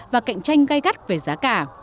và cạnh tranh gai gắt về giá cả